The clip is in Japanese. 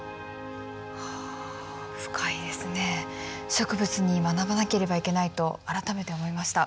植物に学ばなければいけないと改めて思いました。